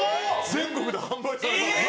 全国で販売されます。